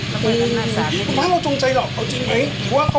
จะพูดอย่างงี้ยังไม่ตอบนะคะเดี๋ยวให้พี่ขึ้นสารก่อน